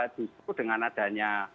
justru dengan adanya